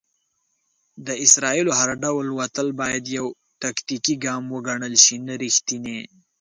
د اسرائیلو هر ډول وتل بايد يو "تاکتيکي ګام وګڼل شي، نه ريښتينی".